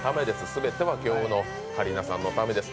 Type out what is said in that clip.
全ては今日の桂里奈さんのためです。